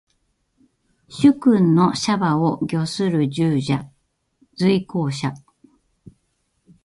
主君の車馬を御する従者。随行者。